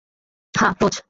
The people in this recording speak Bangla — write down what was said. হ্যাঁ, রোজ।